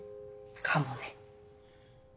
かもね。